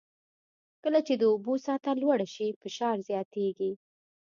کله چې د اوبو سطحه لوړه شي فشار زیاتېږي.